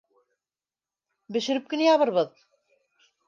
Бешереп кенә ябырбыҙ.